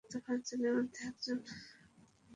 তিনি ভিসির পুরস্কার প্রাপ্ত পাঁচ জনের মধ্যে একজন।